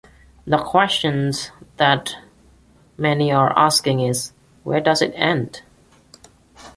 The question that many are asking is, 'where does it end?